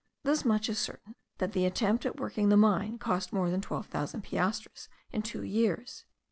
This much is certain, that the attempt at working the mine cost more than twelve thousand piastres in two years.